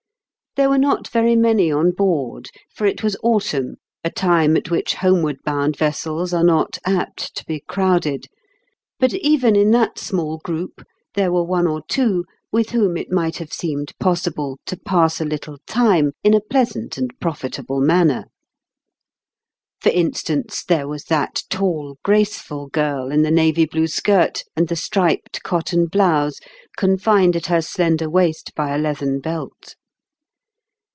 There were not very many on board for it was autumn, a time at which home wardbound vessels are not apt to be crowded but even in that small group there were one or two with whom it might have seemed possible to pass a little time in a pleasant and profitable manner. For instance, there was that tall, graceful girl in the navy blue skirt, and the striped cotton blouse confined at her slender waist by a leathern belt.